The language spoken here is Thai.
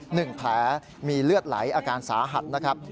หนึ่งแผลมีเลือดไหลอาการสาหัสนะครับ